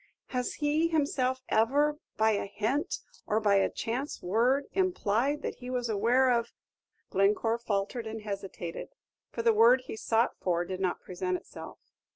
"Has he himself ever, by a hint, or by a chance word, implied that he was aware of " Glencore faltered and hesitated, for the word he sought for did not present itself.